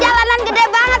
jalanan gede banget